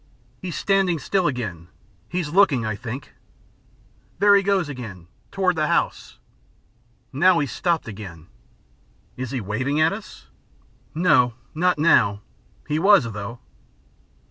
"He's standing still again. He's looking, I think.... There he goes again. Toward the house.... Now he's stopped again." "Is he waving at us?" "No, not now! he was, though."